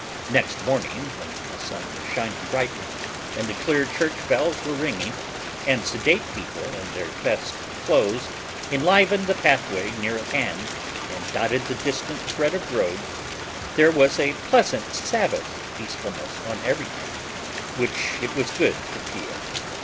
Next morning when the sun was shining brightly, and the clear church bells were ringing, and sedate people in their best clothes enlivened the pathway near at hand and dotted the distant thread of road, there was a pleasant Sabbath peacefulness on everything, which it was good to feel.